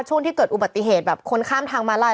ช่วงที่เกิดอุบัติเหตุแบบคนข้ามทางมาลัย